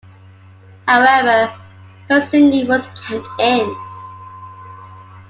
However, her singing was kept in.